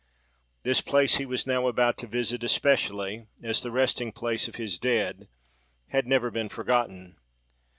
The place he was now about to visit, especially as the resting place of his dead, had never been forgotten.